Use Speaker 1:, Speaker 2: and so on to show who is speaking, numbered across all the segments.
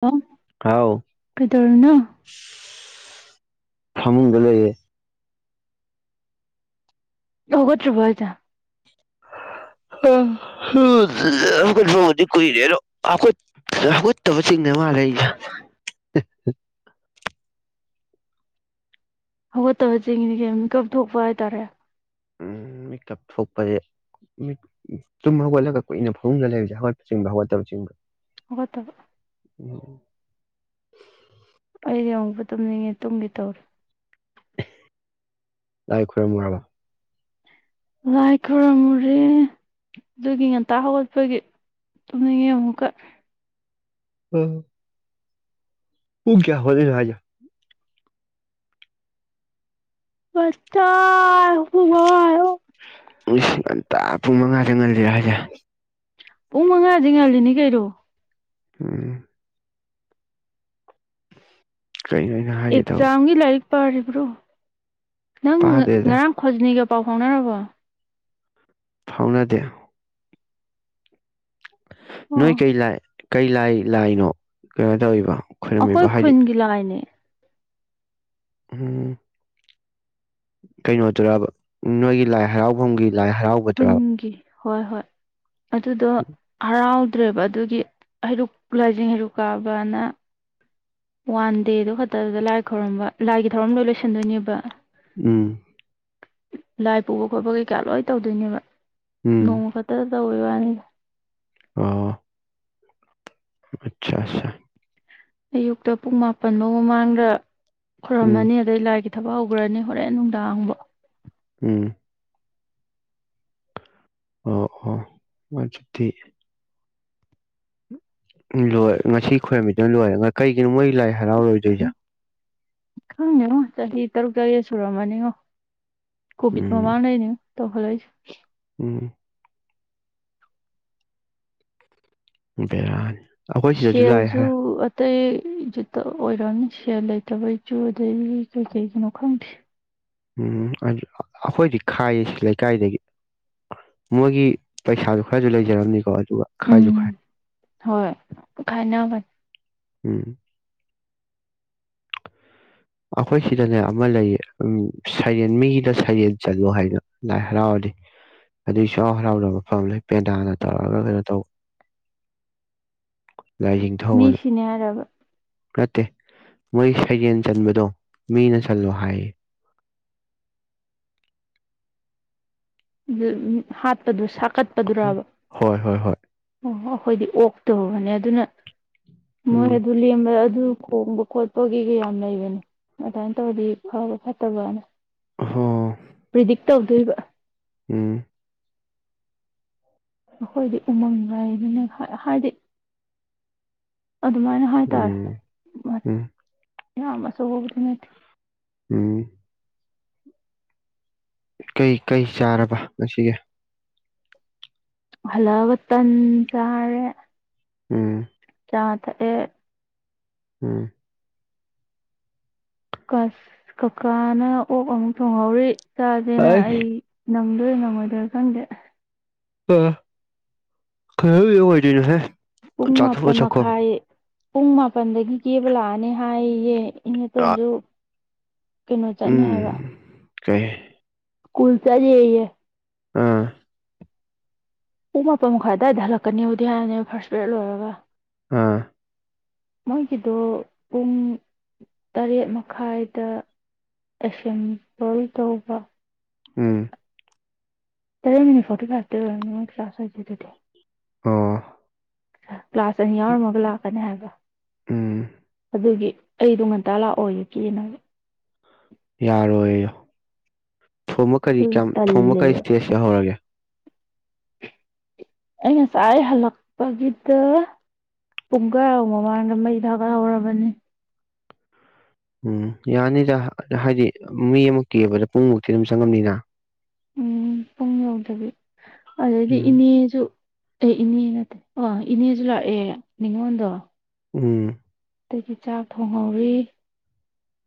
Speaker 1: ꯍꯂ
Speaker 2: ꯍꯥꯎ
Speaker 1: ꯀꯩꯗꯧꯔꯅ
Speaker 2: ꯊꯃꯨꯡꯨꯡꯒ ꯂꯩꯦ
Speaker 1: ꯍꯒꯣꯇ꯭ꯔꯤꯕꯣꯗ
Speaker 2: ꯍꯧꯠꯄꯕꯨꯗꯤ ꯀꯨꯏꯔꯦ ꯍꯥꯠꯇꯕꯁꯤꯡꯤꯡꯅꯦ ꯃꯥꯜꯂꯦ
Speaker 1: ꯍꯧꯒꯠꯇꯕ ꯆꯅꯤ ꯀꯩꯝ ꯀꯥꯞꯊꯣꯛꯄ ꯍꯥꯏꯇꯥꯔꯦ
Speaker 2: ꯎꯝ ꯃꯤꯛꯇꯞ ꯊꯣꯛꯄꯁꯦ ꯃꯤ ꯆꯨꯝ ꯍꯧꯒꯠꯂꯒ ꯀꯨꯏꯅ ꯐꯥꯎꯅ ꯂꯩꯕꯁꯦ ꯍꯧꯒꯠꯄ ꯆꯤꯡꯕ ꯍꯧꯒꯠꯇꯕ ꯆꯤꯡꯕ
Speaker 1: ꯍ ꯇꯕ
Speaker 2: ꯎꯝ
Speaker 1: ꯇꯨꯝꯅꯤꯡꯉꯤ ꯇꯨꯝꯒꯤꯦ ꯇꯧꯔꯦ
Speaker 2: ꯂꯥꯏ ꯈꯔ ꯃꯔꯕ
Speaker 1: ꯂꯥꯏ ꯈꯨꯔꯨꯝꯃꯨꯔꯦ ꯑꯗꯨꯒꯤ ꯉꯟꯇ ꯍꯧꯒꯠꯄꯒꯤ ꯇꯨꯝꯅꯤꯡꯉꯦ ꯑꯃꯨꯛꯀ
Speaker 2: ꯍ ꯎ ꯀꯌꯥ ꯍꯗ ꯍꯥꯏꯖ
Speaker 1: ꯑꯁꯇ ꯍꯃ
Speaker 2: ꯂꯤꯁꯤꯡ ꯑꯟꯇꯥ ꯄꯨꯡ ꯃꯉꯥꯗ ꯉꯁꯤꯔ ꯍꯧꯖ
Speaker 1: ꯄꯨꯡ ꯃꯉꯥꯗꯤ ꯉꯥꯜꯂꯤꯅꯦ ꯀꯔꯣ
Speaker 2: ꯎꯝ ꯀꯩꯅꯣ ꯑꯩꯅ ꯍꯥꯏꯒꯦ ꯇꯧꯕ
Speaker 1: ꯑꯦꯛꯖꯥꯝꯒꯤ ꯂꯥꯏꯛ ꯄꯔꯤꯕ꯭ꯔꯣ ꯅꯪ
Speaker 2: ꯇꯥꯗꯦꯗ
Speaker 1: ꯉꯔꯥꯡ ꯈꯣꯖꯅꯤꯒ ꯄꯥꯎ ꯈꯥꯎꯅ ꯅꯔꯕꯣ
Speaker 2: ꯐꯥꯎꯅꯗꯦ
Speaker 1: ꯑꯣ
Speaker 2: ꯅꯣꯏꯣꯏ ꯀꯩ ꯂꯥꯏ ꯀꯩ ꯂꯥꯏ ꯂꯥꯏꯅꯣ ꯀꯩꯅꯣ ꯇꯧꯔꯤꯕ ꯈꯣꯏꯔꯝꯃꯤꯕ
Speaker 1: ꯑꯩꯈꯣꯏ
Speaker 2: ꯍꯥꯏꯗꯤ
Speaker 1: ꯈꯨꯟꯒꯤ ꯂꯥꯛꯥꯏꯅꯦ
Speaker 2: ꯎꯝ ꯀꯩꯅꯣ ꯇꯔꯕ ꯅꯣꯏꯒꯤ ꯂꯥꯏ ꯍꯔꯥꯎꯐꯝꯒꯤ ꯂꯥꯏ ꯍꯔꯥꯎꯒꯗ꯭ꯔꯥꯕ
Speaker 1: ꯈꯨꯟꯒꯤ ꯍꯣꯏ ꯍꯣꯏ ꯑꯗꯨꯗꯣ ꯍꯔꯥꯎ ꯐꯠꯇ꯭ꯔꯦꯕ ꯑꯗꯨꯒꯤ ꯍꯩꯔꯨꯛ ꯂꯥꯏꯖꯤꯡ ꯍꯩꯔꯨꯛ ꯀꯥꯕꯅ ꯋꯥꯟ ꯗꯦꯗꯣ ꯈꯛꯇꯗꯨꯗ ꯂꯥꯏ ꯈꯣꯏꯔꯝꯕ ꯂꯥꯏꯒꯤ ꯊꯧꯔꯝ ꯂꯣꯏ ꯂꯣꯏꯁꯤꯟꯗꯣꯏꯅꯦꯕ
Speaker 2: ꯎꯝ
Speaker 1: ꯂꯥꯏ ꯄꯨꯕ ꯈꯣꯠꯄ ꯀꯩꯀꯥ ꯂꯣꯏ ꯇꯧꯗꯣꯏꯅꯦꯕ
Speaker 2: ꯎꯝ
Speaker 1: ꯅꯣꯡꯃ ꯈꯇ ꯑꯣꯏ ꯋꯥꯅꯤ
Speaker 2: ꯑꯥ ꯑꯆꯥ ꯑꯆꯥ
Speaker 1: ꯑꯌꯨꯛꯇ ꯄꯨꯡ ꯃꯥꯄꯜꯐꯧ ꯃꯃꯥꯡꯗ
Speaker 2: ꯎꯝ
Speaker 1: ꯈꯨꯣꯏꯔꯨꯝꯃꯅꯤ ꯑꯗꯩ ꯂꯥꯏꯒꯤ ꯊꯕꯛ ꯍꯧꯈ꯭ꯔꯅꯤ ꯍꯣꯔꯦꯟ ꯅꯨꯡꯗꯥꯡꯕ
Speaker 2: ꯎꯝ ꯑꯣ ꯑꯣ ꯃꯆꯊꯤ ꯎꯝ ꯂꯣꯏꯔꯦ ꯉꯁꯤ ꯈꯣꯏꯔꯝꯃꯤꯗꯅ ꯂꯣꯏꯔꯦ ꯀꯩꯒꯤꯅꯣ ꯃꯣꯏ ꯂꯥꯛꯑꯦ ꯍꯔꯥꯎ ꯔꯣꯏꯗꯩꯩꯁꯦ
Speaker 1: ꯈꯪꯗꯦꯉꯣ ꯆꯍꯤ ꯇꯔꯨꯛ ꯇꯥꯔꯦꯠ ꯁꯨꯔꯝꯃꯅꯤꯉꯣ ꯀꯣꯕꯤꯗ
Speaker 2: ꯎꯝ
Speaker 1: ꯃꯃꯅꯅꯦ ꯇꯍꯂꯣꯏ
Speaker 2: ꯎꯝ [unintelligible] ꯂꯥꯛꯑꯦ
Speaker 1: ꯁꯦꯜꯖꯨ
Speaker 2: ꯍꯥꯏ
Speaker 1: ꯑꯇꯩ ꯏꯖꯠꯇ ꯑꯣꯏꯔꯛꯅ ꯁꯦꯜ ꯂꯩꯇꯕ ꯏꯁꯨ ꯑꯗꯗꯒꯤ ꯀꯩ ꯀꯩꯒꯤꯅꯣ ꯈꯪꯗꯦ
Speaker 2: ꯎꯝ ꯑꯗꯨ ꯑꯩꯈꯣꯏꯗꯤ ꯈꯥꯏꯌꯦ ꯁꯤ ꯂꯩꯀꯥꯏꯗꯒꯤ ꯃꯣꯏꯒꯤ ꯄꯩꯁꯥꯗꯨ ꯈꯔꯁꯨ ꯂꯩꯖꯔꯝꯅꯤꯀꯣ ꯑꯗꯨꯒ ꯈꯥꯏꯁꯨ
Speaker 1: ꯎꯝ
Speaker 2: ꯈꯥꯏ
Speaker 1: ꯍꯣꯏ ꯈꯥꯏꯅꯕꯅꯤ
Speaker 2: ꯎꯝ ꯑꯩꯈꯣꯏ ꯁꯤꯗꯅꯦ ꯑꯃ ꯂꯩꯌꯦ ꯁꯩꯔꯦꯟ ꯃꯤꯒꯤꯗ ꯁꯩꯔꯦꯟ ꯆꯠꯂꯣ ꯍꯥꯏꯗꯅ ꯂꯥꯏ ꯍꯔꯥꯎꯔꯗꯤ ꯑꯗꯨꯒꯤꯁꯨꯥꯎ ꯍꯔꯥꯎꯗꯕ ꯃꯐꯝ ꯂꯩ ꯄꯦꯟꯗꯥꯅ ꯇꯧꯔꯑꯒ ꯀꯩꯅꯣ ꯇꯧꯕ
Speaker 1: ꯃꯤ
Speaker 2: ꯂꯥꯏꯖꯅꯤꯡꯊꯧꯅ
Speaker 1: ꯁꯤꯅꯦ ꯍꯥꯏꯔꯕ
Speaker 2: ꯅꯠꯇꯦ ꯃꯣꯏ ꯁꯩꯖꯦꯟ ꯆꯟꯕꯗꯣ ꯃꯤꯅ ꯆꯜꯂꯣ ꯍꯥꯏꯌꯦ
Speaker 1: ꯍꯥꯠꯄꯗꯨ ꯁꯛ ꯀꯠꯄꯗꯨ꯭ꯔꯕ
Speaker 2: ꯍꯣꯏ ꯍꯣꯏ ꯍꯣꯏ
Speaker 1: ꯑꯣ ꯑꯣ ꯑꯩꯈꯣꯏꯗꯤ ꯑꯣꯛꯇꯨꯕꯅꯦ ꯑꯗꯨꯅ
Speaker 2: ꯎꯝ
Speaker 1: ꯃꯣꯍꯤꯦꯗꯂꯤꯌꯥ [unintelligible] ꯑꯗꯨ ꯈꯣꯡꯕ ꯈꯣꯠꯄꯒꯤ ꯀꯌꯥꯝ ꯂꯩꯕꯅꯤ ꯑꯗꯨꯃꯥꯏꯅ ꯇꯧꯔꯗꯤ ꯐꯕ ꯐꯠꯇꯕꯅ
Speaker 2: ꯍ
Speaker 1: ꯄ꯭ꯔꯤꯗꯤꯛ ꯇꯧꯗꯣꯏꯕ
Speaker 2: ꯎꯝ
Speaker 1: ꯑꯩꯈꯣꯏꯗꯤ ꯎꯃꯪ ꯂꯩꯗꯅ ꯍꯥꯏꯗꯤ ꯑꯗꯨꯃꯥꯏꯅ
Speaker 2: ꯎꯝ
Speaker 1: ꯍꯥꯏꯇꯥꯔꯦꯅꯤ
Speaker 2: ꯎꯝ
Speaker 1: ꯌꯥꯁꯕꯨꯗꯤꯅꯠꯇ
Speaker 2: ꯎꯝ ꯀꯩ ꯀꯩ ꯆꯥꯔꯕ ꯉꯁꯤꯒꯦ
Speaker 1: ꯍꯂꯕ ꯃꯇꯝꯟꯖꯥꯔꯦ
Speaker 2: ꯎꯝ
Speaker 1: ꯆꯇ ꯑꯦ
Speaker 2: ꯎꯝ
Speaker 1: ꯀꯀꯥꯅ ꯑꯣꯛ ꯑꯃꯨꯛ ꯊꯣꯡꯍꯧꯔꯤ ꯆꯥꯗꯦꯅ ꯑꯩ ꯅꯪ ꯂꯣꯏ ꯉꯝꯃꯣꯏꯗꯣꯏꯔ ꯈꯪꯗꯦ
Speaker 2: ꯑ ꯈꯔ ꯏ ꯑꯣꯏꯗꯨꯅ ꯍꯦ
Speaker 1: ꯄꯨꯡ ꯃꯥꯄꯜ ꯃꯈꯥꯏ ꯄꯨꯡ ꯃꯥꯄꯜꯗꯒꯤ ꯀꯦꯕ ꯂꯥꯛꯑꯅꯤ ꯍꯥꯏꯌꯦꯦ ꯏꯩꯅ
Speaker 2: ꯑꯥ
Speaker 1: ꯇꯖꯣ ꯀꯩꯅꯣ ꯆꯠꯅꯦ
Speaker 2: ꯎꯝ
Speaker 1: ꯍꯥꯏꯒ
Speaker 2: ꯀꯩ
Speaker 1: ꯀꯜꯁꯗꯤꯏ
Speaker 2: ꯑꯥ
Speaker 1: ꯄꯨꯡ ꯃꯥꯄꯟ ꯃꯈꯥꯏ ꯑꯗꯨꯋꯥꯏꯗ ꯍꯜꯂꯛꯀꯅꯤꯕꯨꯗꯤꯌꯥꯅꯦ ꯐꯥꯔꯁ ꯕꯔꯗ ꯂꯣꯏꯔꯒ
Speaker 2: ꯑꯥ
Speaker 1: ꯃꯣꯏꯒꯤꯗꯣ ꯄꯨꯡ ꯇꯔꯦꯠ ꯃꯈꯥꯏꯗ ꯑꯦꯁꯦꯝꯕꯜ ꯇꯧꯕ
Speaker 2: ꯎꯝ
Speaker 1: ꯇꯔꯦ ꯃꯤꯅꯤ ꯐꯣꯇꯣ ꯀ꯭ꯔꯇ ꯀ꯭ꯂꯥꯁ ꯑꯣꯏꯗꯤ
Speaker 2: ꯑꯣ
Speaker 1: ꯀ꯭ꯂꯥꯁ ꯑꯅꯤ ꯌꯥꯎꯔꯝꯃꯒ ꯂꯥꯛꯀꯅꯤ ꯍꯥꯏꯕ
Speaker 2: ꯎꯝ
Speaker 1: ꯑꯗꯨꯒꯤ ꯑꯩꯗꯣ ꯉꯟꯇꯥ ꯂꯥꯛꯑꯣꯒ ꯀꯦꯅꯒ
Speaker 2: ꯌꯥꯔꯣꯏ ꯊꯣꯡꯕ ꯀꯔꯤ
Speaker 1: ꯑꯗꯨꯒꯤ
Speaker 2: ꯀꯌꯥꯝ ꯊꯣꯡꯕ ꯀꯔꯤ
Speaker 1: ꯇꯜꯂꯦꯕ
Speaker 2: ꯏꯁꯇꯦꯖ ꯌꯍꯔꯒꯦ
Speaker 1: ꯑꯩ ꯉꯁꯥꯏ ꯑꯩ ꯍꯜꯂꯛꯄꯒꯤꯗ ꯄꯨꯡ ꯀꯔꯥꯎ ꯃꯃꯥꯡꯗ ꯃꯩ ꯊꯥꯀꯠꯍꯧꯔꯕꯅꯤ
Speaker 2: ꯎꯝ ꯌꯥꯅꯤꯗ ꯍꯥꯏꯗꯤ ꯃꯤ ꯑꯃꯨꯛ ꯀꯑꯕꯗ ꯄꯨꯡꯃꯨꯛꯇꯤ ꯑꯗꯨꯝ ꯆꯪꯉꯝꯅꯤꯅ
Speaker 1: ꯎꯝ ꯄꯨꯡ ꯌꯧꯗꯕꯤ ꯑꯗꯨꯗꯩꯗꯤ
Speaker 2: ꯎꯝ
Speaker 1: ꯏꯅꯦꯁꯨ ꯑꯦ ꯏꯅꯦꯩꯅꯦ ꯑꯣ ꯏꯅꯤꯖꯂ ꯑꯦ ꯅꯤꯡꯉꯣꯗꯣ
Speaker 2: ꯎꯝ
Speaker 1: ꯑꯗꯒꯤ ꯆꯥꯛ ꯊꯣꯡꯍꯧꯔꯤ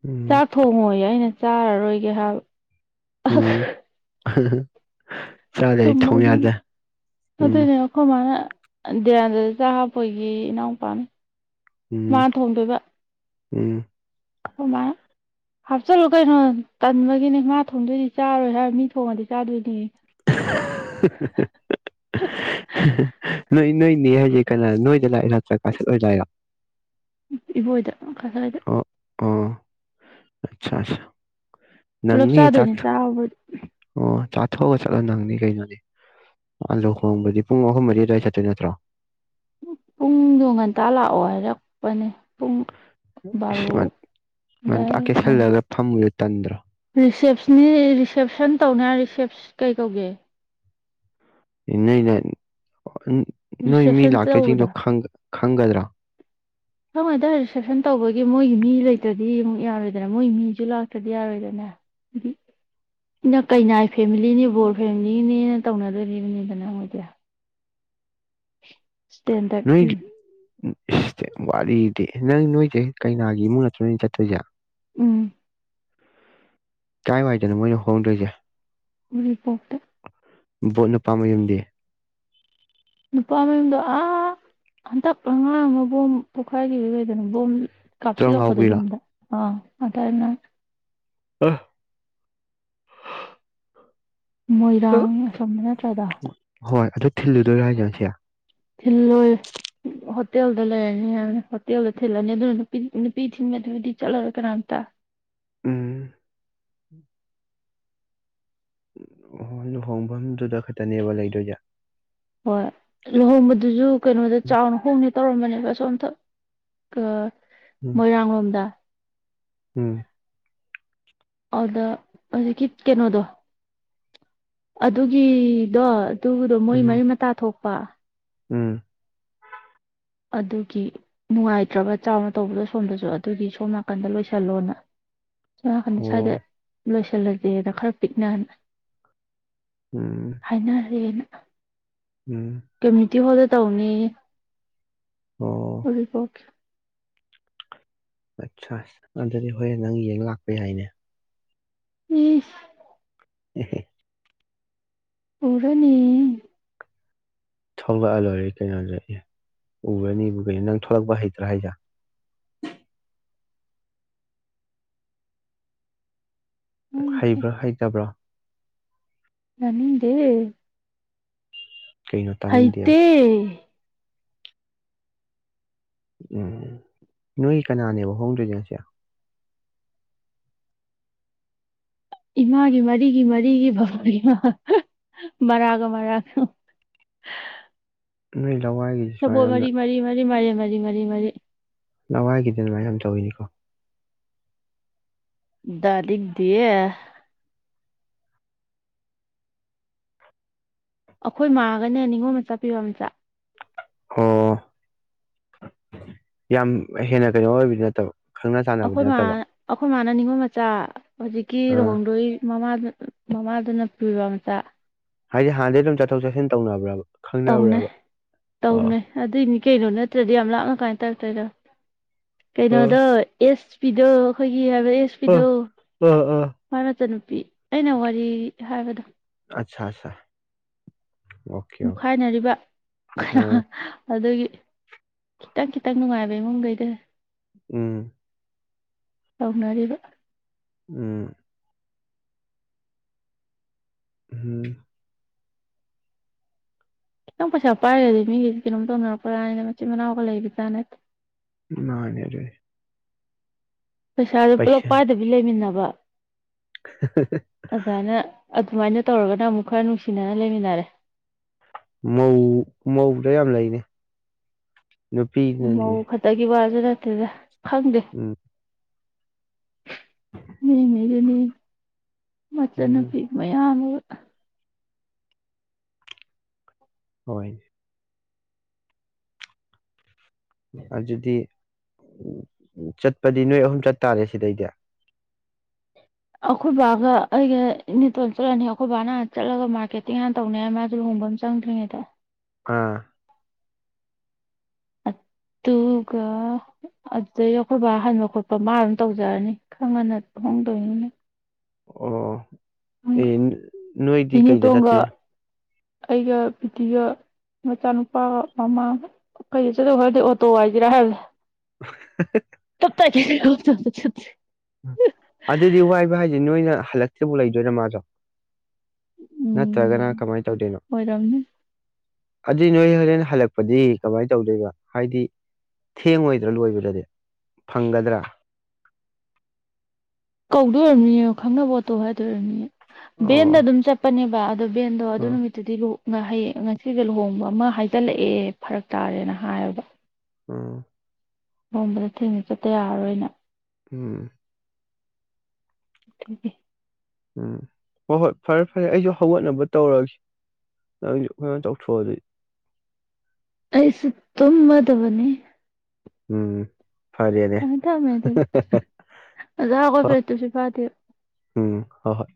Speaker 2: ꯎꯝ
Speaker 1: ꯆꯥꯊꯣꯛ ꯍ ꯌꯥꯏꯅꯦ ꯆꯥꯔꯔꯣꯏꯒꯦ ꯍꯥꯏꯕ
Speaker 2: ꯍꯝ [inaudible]
Speaker 1: ꯇꯃꯒꯤꯅꯦ
Speaker 2: ꯎꯝ
Speaker 1: ꯑꯗꯅꯦꯈꯣ ꯃꯥ ꯗꯤꯔꯟꯗꯗ ꯆꯥꯛ ꯍꯥꯞꯄꯒꯤ ꯏꯅꯥꯎꯄꯥꯅꯤ ꯃꯥ
Speaker 2: ꯎꯝ
Speaker 1: ꯊꯣꯡꯗꯣꯏꯕ
Speaker 2: ꯎꯝ
Speaker 1: ꯑꯗꯨꯃꯥꯏ ꯍꯥꯞꯆꯤꯜꯂꯨ ꯀꯩꯅꯣ ꯇꯟꯕꯒꯤꯅꯦ ꯃꯥ ꯊꯣꯡꯗꯣꯏꯗꯤ ꯆꯥꯔꯣꯏ ꯍꯥꯏ ꯃꯤ ꯊꯣꯡꯉꯗꯤ ꯆꯥꯗꯣꯏꯅꯤ
Speaker 2: [unintelligible] ꯅꯣꯏ ꯅꯣꯏꯅꯦ ꯍꯥꯏꯖꯤꯛ ꯀꯅꯥ ꯅꯣꯏꯗ ꯂꯥꯛꯏꯦ ꯅꯠꯇ꯭ꯔ ꯀꯥꯁꯤꯂ ꯂꯥꯛꯏꯔꯥ
Speaker 1: ꯏꯕꯣ ꯏꯗ ꯀꯁꯗ
Speaker 2: ꯑꯣ ꯑꯆꯥ ꯑꯆꯥ
Speaker 1: ꯄꯨꯂꯞ ꯆꯥꯗꯣꯏꯅꯤ ꯆꯥꯕꯗꯤ
Speaker 2: ꯑꯣ ꯆꯥꯊꯣꯛꯑꯒ ꯆꯠꯂ ꯅꯪꯅꯤ ꯀꯩꯅꯣꯅꯤ ꯑꯥꯂꯨ ꯍꯣꯡꯕꯗꯤ ꯄꯨꯡ ꯑꯍꯨꯝ ꯃꯗꯤ ꯑꯗꯨꯋꯥꯏ ꯆꯠꯇꯣꯏ ꯅꯠꯇ꯭ꯔꯣ
Speaker 1: ꯄꯨꯡꯗꯣ ꯉꯟꯇꯥ ꯂꯥꯛꯑꯣ ꯍꯥꯏꯔꯛꯄꯅꯦ ꯄꯨꯡ
Speaker 2: ꯃ
Speaker 1: ꯕꯥꯔꯣ ꯑꯗꯥꯏ
Speaker 2: ꯃꯦ ꯁ ꯂ ꯐꯝ ꯇꯟꯗ꯭ꯔ
Speaker 1: ꯁꯦꯞꯁ ꯔꯤꯁꯦꯞꯁꯟ ꯇꯧꯅꯦ ꯔꯤꯁꯦꯞ ꯀꯩ ꯀꯧꯒꯦ
Speaker 2: ꯅ ꯅꯣꯏ ꯃꯤ
Speaker 1: ꯔꯤꯁꯦꯞꯁꯟ
Speaker 2: ꯂꯥꯛꯇꯣꯏ ꯆꯤꯡꯗꯣ ꯈꯪꯒꯗ꯭ꯔꯥ
Speaker 1: ꯁꯝꯏꯗ ꯔꯤꯁꯦꯞꯁꯟ ꯇꯧꯕꯒꯤ ꯃꯣꯏꯒꯤ ꯃꯤ ꯂꯩꯇ꯭ꯔꯗꯤ ꯑꯃꯨꯛ ꯌꯥꯔꯣꯏꯗꯅ ꯃꯣꯏꯒꯤ ꯃꯤꯁꯨ ꯂꯥꯛꯇ꯭ꯔꯗꯤ ꯌꯥꯔꯣꯏꯗꯅ ꯍꯥꯏꯗꯤꯩꯅ ꯀꯩꯅꯥꯏ ꯐꯦꯃꯤꯂꯤꯅꯤ ꯕꯣꯔ ꯐꯦꯃꯤꯂꯤꯅꯦꯅ ꯇꯧꯅꯗꯣꯔꯤꯕꯅꯤꯗꯅ ꯃꯣꯏꯗꯤ
Speaker 2: ꯅꯣꯏ
Speaker 1: ꯁꯇꯦꯟꯗꯔꯂꯤ
Speaker 2: ꯏꯁ ꯋꯥꯔꯤꯗꯤ ꯅꯪ ꯅꯣꯏꯁꯦ ꯀꯩꯅꯥꯒꯤ ꯏꯃꯨꯡ ꯅ ꯅ ꯆꯠꯇꯣꯏꯁꯦ
Speaker 1: ꯎꯝ
Speaker 2: ꯀꯥꯏꯋꯥꯏꯗꯅꯣ ꯃꯣꯏꯅ ꯍꯣꯡꯗꯣꯏꯁꯦ
Speaker 1: ꯔꯤꯄꯣꯛꯇ
Speaker 2: ꯕꯣꯠꯅ ꯄꯥꯝꯕ ꯌꯨꯝꯗꯦ
Speaker 1: ꯅꯨꯄꯥ ꯃꯌꯨꯝꯗꯣ ꯑꯥ ꯍꯟꯇꯛ ꯑꯉꯥꯡ ꯑꯃ ꯕꯣꯝ ꯄꯣꯛꯈꯥꯏꯈꯤꯕ ꯀꯩꯗꯅ ꯕꯣꯝ ꯀꯞꯁꯤ
Speaker 2: ꯇ꯭ꯔꯪ ꯂꯥꯎꯕꯤꯔꯣ
Speaker 1: ꯂꯣꯄꯗꯗ ꯑ ꯑꯗꯅ
Speaker 2: ꯑ
Speaker 1: ꯃꯣꯏꯔꯥꯡ ꯑꯁꯣꯝꯗ ꯅꯠꯇ꯭ꯔꯗ
Speaker 2: ꯍꯣꯏ ꯑꯗꯨ ꯊꯤꯜꯂꯨꯗꯣꯏꯔ ꯍꯥꯏꯒꯁꯦ
Speaker 1: ꯊꯤꯜꯂꯣꯏ ꯍꯣꯇꯦꯜꯗ ꯂꯩꯔꯅꯤ ꯍꯥꯏ ꯍꯣꯇꯦꯜꯗ ꯊꯤꯜꯂꯅꯤ ꯑꯗꯨꯅ ꯅꯨꯄꯤ ꯅꯨꯄꯤ ꯊꯤꯟꯕꯗꯨꯕꯨꯗꯤ ꯆꯠꯂꯔꯣꯏ ꯀꯅꯥꯝꯇ
Speaker 2: ꯎꯝ ꯑꯣ ꯂꯨꯍꯣꯡꯐꯝꯗꯨꯗ ꯈꯛꯇꯅꯦꯕ ꯂꯩꯗꯣꯏꯖꯥ
Speaker 1: ꯍꯣꯏ ꯂꯨꯍꯣꯡꯕꯗꯨꯁꯨ ꯀꯩꯅꯣꯗ ꯆꯥꯎꯅ ꯍꯣꯡꯉ ꯇꯧꯔꯝꯕꯅꯦꯕ ꯁꯣ ꯑꯝꯊ
Speaker 2: ꯎꯝ
Speaker 1: ꯃꯣꯏꯔꯥꯡ ꯂꯣꯝꯗ
Speaker 2: ꯎꯝ
Speaker 1: ꯑꯗꯨꯗ ꯍꯧꯖꯤꯀꯤ ꯀꯩꯅꯣꯗꯣ ꯑꯗꯨꯒꯤꯗꯣ ꯑꯗꯨꯗꯣ ꯃꯣꯏ
Speaker 2: ꯎꯝ
Speaker 1: ꯃꯔꯤꯨꯝ ꯃꯇꯥ ꯊꯣꯛ ꯋꯥ
Speaker 2: ꯎꯝ
Speaker 1: ꯑꯗꯨꯒꯤ ꯅꯨꯡꯉꯥꯏꯇ꯭ꯔꯕ ꯆꯥꯎꯅ ꯇꯧꯕꯗꯣ ꯁꯣꯝꯗꯁꯨ ꯑꯗꯨꯒꯤ ꯁꯣꯝ ꯅꯥꯀꯟꯗ ꯂꯣꯏꯁꯤꯜꯂꯣꯅ ꯁꯀꯅꯤ
Speaker 2: ꯑꯣ
Speaker 1: ꯁ꯭ꯋꯥꯏꯗ ꯂꯣꯏꯁꯤꯜꯂꯒꯦꯗ ꯈꯔ ꯄꯤꯛꯅꯍ
Speaker 2: ꯎꯝ
Speaker 1: ꯍꯥꯏꯅ ꯑꯗꯨꯅ
Speaker 2: ꯎꯝ
Speaker 1: ꯀꯃꯤꯇꯤ ꯍꯗ ꯇꯧꯅꯤ
Speaker 2: ꯑꯣ
Speaker 1: ꯑꯗꯨ ꯀꯦ
Speaker 2: ꯑꯠꯁ ꯑꯗꯨꯗꯤ ꯍꯣꯏ ꯅꯪ ꯌꯦꯡ ꯂꯥꯛꯄ ꯌꯥꯏꯅꯦ
Speaker 1: ꯎꯝ
Speaker 2: ꯎ
Speaker 1: ꯄꯨꯔꯅꯤ
Speaker 2: ꯊꯣꯛꯂꯛꯑ ꯂꯣꯏꯔꯦ ꯀꯩꯅꯣꯗ ꯎꯔꯅꯤꯅꯤ ꯅꯪ ꯊꯣꯛꯂꯛꯄ ꯍꯩꯇ꯭ꯔꯥ ꯍꯥꯏꯖ ꯍꯩꯕ꯭ꯔꯥ ꯍꯩꯇꯕ꯭ꯔꯥ
Speaker 1: ꯅꯅꯤꯗꯦ
Speaker 2: ꯀꯩꯅꯣ ꯇꯥꯅꯤꯡꯗꯦꯕ
Speaker 1: ꯑꯥꯏꯇ
Speaker 2: ꯎꯝ ꯎ ꯅꯣꯏ ꯀꯅꯥꯅꯦꯕ ꯍꯣꯡꯗꯣꯏꯅ ꯉꯁꯦ
Speaker 1: ꯏꯃꯥꯒꯤ ꯃꯔꯤꯒꯤ ꯃꯔꯤꯒꯤ ꯐꯕꯒꯤ ꯃꯔꯥꯒ ꯃꯔꯥꯒ
Speaker 2: ꯎꯝ
Speaker 1: ꯁꯕꯣ ꯃꯔꯤ ꯃꯔꯤ ꯃꯔꯤ ꯃꯔꯤ ꯃꯔꯤ ꯃꯔꯤ ꯃꯔꯤ
Speaker 2: ꯅꯍꯋꯥꯏꯒꯤꯗꯤ ꯑꯗꯨꯃꯥꯏꯅ ꯌꯥꯝ ꯇꯧꯋꯤꯅꯤꯀꯣ
Speaker 1: ꯗꯔꯛ ꯗ ꯑꯩꯈꯣꯏ ꯃꯥꯒꯅꯦ ꯅꯤꯉꯣꯜ ꯃꯆꯥ ꯄꯤꯕ ꯃꯆꯥ
Speaker 2: ꯑꯣ ꯌꯥꯝ ꯍꯦꯟꯅ ꯀꯩꯅꯣ ꯑꯣꯏꯕꯗꯤ ꯅꯠꯇꯕ ꯈꯪꯅ
Speaker 1: ꯑꯩꯈꯣꯏ
Speaker 2: ꯆꯥꯟꯅꯕꯗꯤ
Speaker 1: ꯃꯥ
Speaker 2: ꯅꯠꯇꯕ
Speaker 1: ꯑꯩꯈꯣꯏ ꯃꯥꯟꯅꯅꯤꯡꯕ ꯆꯥꯛ ꯍꯧꯖꯤꯛꯀꯤ
Speaker 2: ꯑꯥ
Speaker 1: ꯂꯍꯣꯡꯗꯣꯏ ꯃꯃꯥ ꯃꯃꯥꯗꯨꯅ ꯄꯨꯕ ꯃꯆꯥ
Speaker 2: ꯍꯥꯏꯗꯤ ꯍꯥꯟꯗꯤ ꯑꯗꯨꯝ ꯆꯠꯊꯣꯛ ꯆꯠꯁꯤꯟ ꯇꯧꯅꯕ꯭ꯔꯕ
Speaker 1: ꯇꯧꯅꯩ
Speaker 2: ꯈꯪꯅꯕ꯭ꯔꯕ ꯑꯣ
Speaker 1: ꯇꯧꯅꯩ ꯑꯗꯨꯏꯅꯤ ꯀꯩꯅꯣ ꯅꯠꯇ꯭ꯔꯗꯤ ꯌꯥꯝ ꯂꯥꯛꯅ ꯀꯥꯏꯅ ꯇꯧꯔꯛꯇꯣꯏꯗ
Speaker 2: ꯑꯥ
Speaker 1: ꯀꯩꯅꯣꯗꯁ ꯄꯕꯤꯗꯣ ꯑꯩꯈꯣꯏ ꯀ ꯍꯥꯏꯕ ꯑꯦꯁ ꯄꯤꯗꯣ
Speaker 2: ꯑꯥ ꯑꯥ ꯑꯥ
Speaker 1: ꯃꯥ ꯅꯠꯇꯅꯨ ꯑꯩꯅ ꯋꯥꯔꯤ ꯍꯥꯏꯕꯗꯣ
Speaker 2: ꯑꯆꯥ ꯑꯆꯥ
Speaker 1: ꯃꯨꯈꯥꯏꯅꯔꯤꯕ
Speaker 2: ꯑꯥ
Speaker 1: ꯑꯗꯨꯒꯤ ꯈꯤꯇꯪ ꯈꯤꯇꯪ ꯅꯨꯡꯉꯥꯏꯕ ꯏꯃꯨꯡꯈꯩꯗ
Speaker 2: ꯎꯝ
Speaker 1: ꯇꯧꯅꯔꯤꯕ
Speaker 2: ꯎꯝ ꯎꯝ
Speaker 1: ꯈꯤꯇꯪ ꯄꯩꯁꯥ ꯄꯥꯏꯔꯗꯤ ꯃꯤꯒꯤꯗꯤ ꯀꯩꯅꯣꯝ ꯇꯧꯅꯔꯛꯄ꯭ꯔꯥꯅꯤꯅ ꯃꯆꯤꯟ ꯃꯅꯥꯎꯒ ꯂꯩꯕꯖꯥ ꯅꯠꯇꯦ
Speaker 2: ꯃꯥꯅꯦ ꯑꯗꯨꯗꯤ
Speaker 1: ꯄꯩꯁꯥꯗꯣ ꯄꯨꯂꯞ ꯄꯥꯏꯗꯕꯤ ꯂꯩꯃꯤꯟꯅꯕ ꯋꯥ ꯑꯗꯥꯏꯅꯥ ꯁꯨꯃꯥꯏꯅ ꯇꯧꯔꯒꯅ ꯑꯃꯨꯛ ꯈꯔ ꯅꯨꯡꯁꯤꯅꯅ ꯂꯩꯃꯤꯟꯅꯔꯦ
Speaker 2: ꯃꯧ ꯃꯧꯗ ꯌꯥꯝ ꯂꯩꯅꯦ
Speaker 1: ꯃꯎ
Speaker 2: ꯅꯨꯄꯤꯅꯅꯤꯅꯦ
Speaker 1: ꯈꯇꯥꯀꯤ ꯋꯥ [unintelligible] ꯐꯪꯗꯦ
Speaker 2: ꯎꯝ
Speaker 1: [unintelligible]
Speaker 2: ꯎꯝ
Speaker 1: ꯃꯟꯅꯕꯤ ꯃꯌꯥꯝ ꯑꯃ
Speaker 2: ꯍꯣꯏ ꯑꯗꯨꯗꯤ ꯎ ꯆꯠꯄꯗꯤ ꯅꯣꯏ ꯑꯍꯨꯝ ꯆꯠꯇꯥꯥꯔꯦ ꯁꯤꯗꯩꯗ
Speaker 1: ꯑꯩꯈꯣꯏ ꯕꯥꯒ ꯑꯩꯒꯇꯣꯟꯜ ꯆꯠꯂꯅꯤ ꯑꯩꯈꯣꯏ ꯕꯥꯅ ꯍꯥꯟ ꯆꯠꯂꯒ ꯃꯥꯔꯀꯦꯇꯤꯡ ꯍꯥꯟꯅ ꯇꯧꯅꯤ ꯍꯥꯏ ꯃꯥꯗꯨ ꯂꯨꯣꯡꯕ ꯑꯃ ꯆꯪꯗ꯭ꯔꯤꯉꯩꯗ
Speaker 2: ꯑꯥ
Speaker 1: ꯑꯗꯨꯒ ꯑꯗꯨꯗ ꯌꯈꯣꯏꯕ ꯍꯟꯕ ꯈꯣꯠꯄ ꯃꯥ ꯑꯗꯨꯝ ꯇꯧꯖꯔꯅꯤ ꯈꯪ ꯉꯟꯅ ꯍꯣꯡꯗꯣꯏꯅꯤꯅꯦ
Speaker 2: [unintelligible] ꯑꯦ ꯅꯣꯏꯗꯤ ꯀꯩꯗ
Speaker 1: ꯏꯅꯦꯇꯣꯟꯒ
Speaker 2: ꯆꯇꯨꯏꯅꯣ
Speaker 1: ꯑꯩꯒ ꯄ꯭ꯔꯤꯇꯤꯒ ꯃꯆꯥꯅꯨꯄꯥꯒ ꯃꯃꯥꯒ ꯀꯩꯗ ꯆꯠꯂꯨꯕ ꯈꯪꯗꯦ ꯑꯣꯇꯣ ꯋꯥꯏꯁꯤꯔꯥ ꯍꯥꯏꯕ
Speaker 2: [unintelligible]
Speaker 1: [unintelligible]
Speaker 2: ꯑꯗꯨꯗꯤ ꯋꯥꯏꯕ ꯍꯥꯏꯁꯦ ꯅꯣꯏꯅ ꯍꯜꯂꯛꯇ꯭ꯔꯤꯕꯥꯎ ꯂꯩꯗꯣꯏꯔ ꯃꯥꯁꯨ
Speaker 1: ꯎꯝ
Speaker 2: ꯅꯠꯇ꯭ꯔꯒꯅ ꯀꯃꯥꯏꯅ ꯇꯧꯗꯣꯏꯅꯣ
Speaker 1: ꯑꯣꯏꯔꯝꯅꯤ
Speaker 2: ꯑꯗꯨꯏ ꯅꯣꯏ ꯍꯣꯔꯦꯟ ꯍꯜꯂꯛꯄꯗꯤ ꯀꯃꯥꯏꯅ ꯇꯧꯗꯣꯏꯕ ꯍꯥꯏꯗꯤ ꯊꯦꯡꯉꯣꯏꯗ꯭ꯔꯥ ꯂꯣꯏꯕꯗꯗꯤ ꯐꯪꯒꯗ꯭ꯔꯥ [unintelligible]
Speaker 1: ꯀꯧꯗꯣ ꯑꯣꯢꯔꯝꯅꯤꯌꯦ ꯈꯪꯅꯕ ꯑꯣꯇꯣ ꯍꯥꯏꯗꯣꯢ ꯑꯣꯢꯔꯝꯅꯤꯌꯦ
Speaker 2: ꯑꯣ
Speaker 1: ꯕꯦꯟꯗ ꯑꯗꯨꯝ ꯆꯠꯄꯅꯦꯕ [unintelligible] ꯕꯦꯟꯗꯣ ꯑꯗꯨ
Speaker 2: ꯑꯥ
Speaker 1: ꯅꯨꯃꯤꯠꯇꯨꯗꯤ ꯂꯨ ꯉꯍꯩ ꯉꯁꯤꯒ ꯂꯨꯍꯣꯡꯕ ꯑꯃ ꯍꯥꯏꯖꯤꯜꯂꯛꯑꯦ ꯐꯔꯛ ꯇꯥꯔꯦꯅ ꯍꯥꯏꯔꯕ
Speaker 2: ꯎꯝ
Speaker 1: ꯍꯣꯝꯕꯗ ꯊꯦꯡꯅ ꯆꯠꯇ ꯌꯥꯔꯔꯣꯏꯅ
Speaker 2: ꯎꯝ
Speaker 1: ꯊ
Speaker 2: ꯎꯝ ꯍꯣꯏ ꯍꯣꯏ ꯐꯔꯦ ꯐꯔꯦ ꯑꯩꯁꯨ ꯍꯧꯒꯠꯅꯕ ꯇꯧꯔꯒꯦ ꯅꯪꯁꯨ ꯑꯩꯈ ꯆꯥꯎꯊꯣꯛꯑꯣ ꯑꯗꯨꯗꯤ
Speaker 1: ꯑꯩꯁꯨ ꯇꯨꯝꯃꯗꯕꯅꯤ
Speaker 2: ꯎꯝ ꯐꯔꯦꯅꯦ
Speaker 1: ꯊꯝꯃꯦ ꯊꯝꯃꯦ ꯑꯗꯨꯗꯤ ꯉꯁꯥꯏ
Speaker 2: ꯍꯣ
Speaker 1: ꯍꯧꯒꯠꯄꯗ ꯇꯨꯃꯁꯤꯠ ꯐꯗꯦꯕꯥ
Speaker 2: ꯎꯝ ꯍꯣꯢ ꯍꯣꯏ